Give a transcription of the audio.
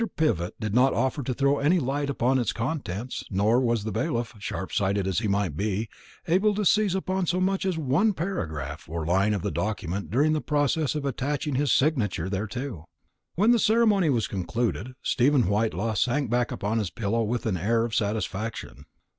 Pivott did not offer to throw any light upon its contents, nor was the bailiff, sharpsighted as he might be, able to seize upon so much as one paragraph or line of the document during the process of attaching his signature thereto. When the ceremony was concluded, Stephen Whitelaw sank back upon his pillow with an air of satisfaction.